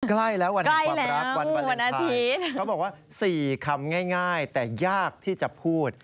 ใกล้แล้ววันแห่งความรักวันวาเลนไทยเขาบอกว่า๔คำง่ายแต่ยากที่จะพูด